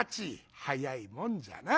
早いもんじゃなあ。